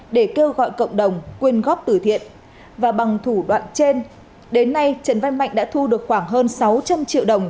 để kêu gọi cộng đồng quyên góp tử thiện và bằng thủ đoạn trên đến nay trần văn mạnh đã thu được khoảng hơn sáu trăm linh triệu đồng